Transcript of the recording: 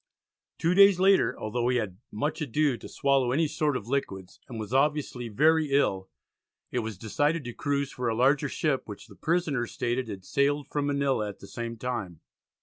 Two days later, although he had "much ado to swallow any sort of liquids," and was obviously very ill, it was decided to cruise for a larger ship which the prisoners stated had sailed from Manila at the same time.